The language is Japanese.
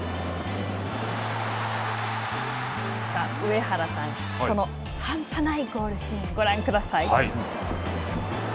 さあ、上原さん、この半端ないゴールシーンをご覧ください。